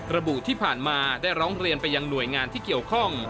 ระบุที่ผ่านมาได้ร้องเรียนไปยังหน่วยงานที่เกี่ยวข้อง